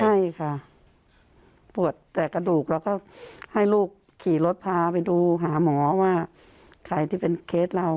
ใช่ค่ะปวดแต่กระดูกเราก็ให้ลูกขี่รถพาไปดูหาหมอว่าใครที่เป็นเคสเรา